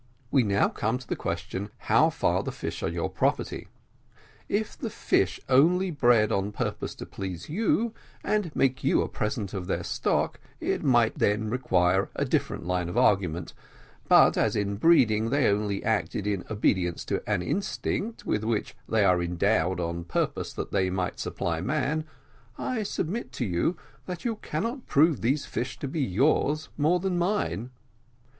We now come to the question how far the fish are your property. If the fish only bred on purpose to please you, and make you a present of their stock, it might then require a different line of argument; but as in breeding they only acted in obedience to an instinct with which they are endowed on purpose that they may supply man, I submit to you that you cannot prove these fish to be yours more than mine.